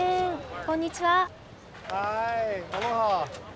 こんにちは。